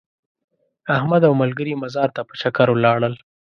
احمد او ملګري مزار ته په چکر ولاړل.